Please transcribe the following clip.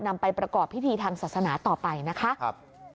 นำไปประกอบพิธีทางศาสนาต่อไปนะคะ